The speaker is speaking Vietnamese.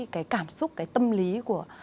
cái cảm xúc cái tâm lý của